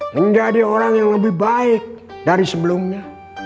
menjadi orang yang lebih baik dari sebelumnya